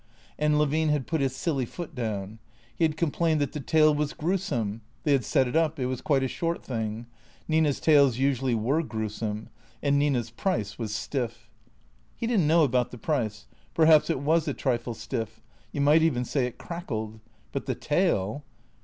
And Levine had put his silly foot down. He had complained that the tale was gruesome (they had set it up; it was quite a short thing); Nina's tales usually were gruesome; and Nina's price was stiff. He did n't know about the price ; perhaps it was a trifle stiff ; you might even say it crackled ; but the tale